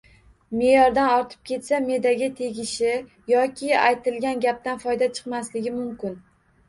Me’yoridan ortib ketsa, me’daga tegishi yoki aytilgan gapdan foyda chiqmasligi mumkin.